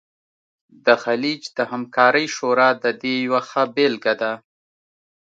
د خلیج د همکارۍ شورا د دې یوه ښه بیلګه ده